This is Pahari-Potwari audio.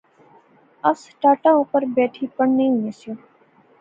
اس ٹاٹاں اوپر بیٹھی پڑھنے ہونے سیاں